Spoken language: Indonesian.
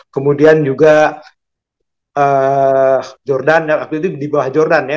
kemudian juga jordan yang waktu itu di bawah jordan ya